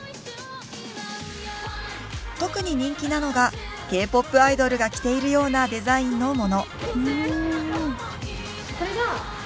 特に人気なのがＫ−ＰＯＰアイドルが着ているようなデザインのもの。